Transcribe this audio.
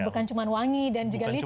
bukan cuma wangi dan juga licin